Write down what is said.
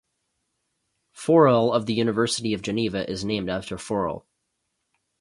Forel of the University of Geneva is named after Forel.